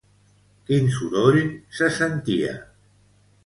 Quin soroll se sentia?